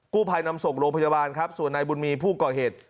ผู้ภัยนำส่งโรงพยาบาลครับส่วนนายบุญมีผู้ก่อเหตุ